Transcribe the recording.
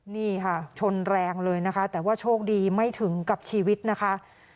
นี่ค่ะชนแรงเลยนะคะแต่ว่าโชคดีไม่ถึงกับชีวิตนะคะ